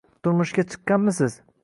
Turmushga chiqqanmisiz